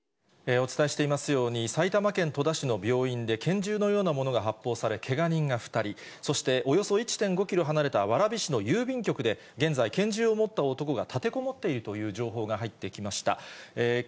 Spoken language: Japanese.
お伝えしていますように、埼玉県戸田市の病院で拳銃のようなものが発砲され、けが人が２人、そしておよそ１．５キロ離れた蕨市の郵便局で、現在、拳銃を持った男が立てこもっているという情報が入ってきました。